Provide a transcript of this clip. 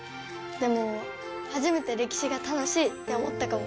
でもはじめてれきしが楽しいって思ったかも！